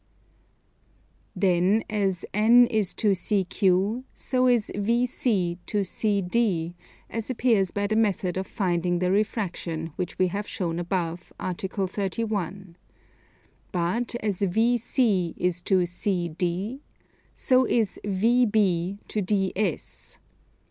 Then as N is to CQ so is VC to CD, as appears by the method of finding the refraction which we have shown above, Article 31; but as VC is to CD, so is VB to DS.